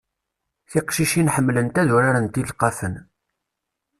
Tiqcicin ḥemmlent ad urarent ilqafen.